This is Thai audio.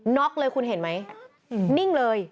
็อกเลยคุณเห็นไหมนิ่งเลย